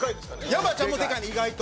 山ちゃんもでかいの意外と。